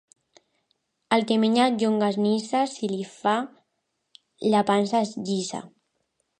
Al que menja llonganissa, se li fa la panxa llisa.